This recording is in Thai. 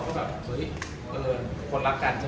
พี่หลับสมัยอยากให้ฟัง